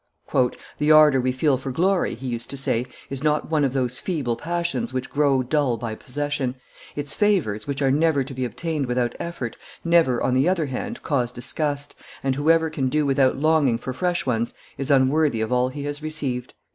"The ardor we feel for glory," he used to say, "is not one of those feeble passions which grow dull by possession; its favors, which are never to be obtained without effort, never, on the other hand, cause disgust, and whoever can do without longing for fresh ones is unworthy of all he has received."